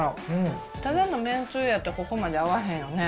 ただのめんつゆやったら、ここまで合わへんよね。